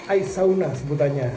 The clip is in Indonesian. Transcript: ais sauna sebutannya